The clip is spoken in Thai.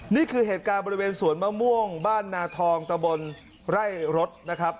นี่คือเหตุการณ์บริเวณสวนมะม่วงบ้านนาทองตะบนไร่รถนะครับ